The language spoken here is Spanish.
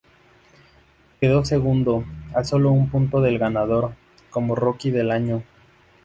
Quedó segundo, a sólo un punto del ganador, como Rookie del Año.